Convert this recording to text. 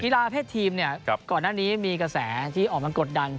ลาเพศทีมก่อนหน้านี้มีกระแสที่ออกมากดดัน